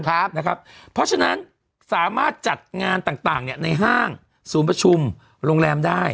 เพราะฉะนั้นสามารถจัดงานต่างในห้างศูนย์ประชุมโรงแรมได้